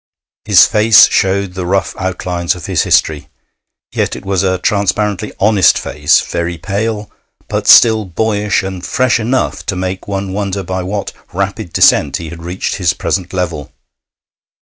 His face showed the rough outlines of his history. Yet it was a transparently honest face, very pale, but still boyish and fresh enough to make one wonder by what rapid descent he had reached his present level.